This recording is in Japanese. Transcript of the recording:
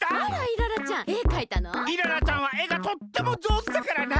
イララちゃんは絵がとってもじょうずだからな。